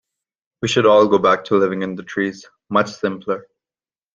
We should all go back to living in the trees, much simpler.